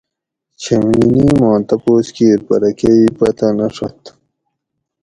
چھمینی ما تپوس کیر پرہ کئ پتہ نہ ڛت